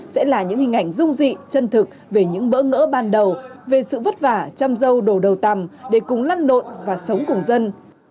sẽ là những hình ảnh rung dị chân thực về những bỡ ngỡ ban đầu về sự vất vả chăm dâu đổ đầu tằm để cùng lăn lộn và sống cùng dân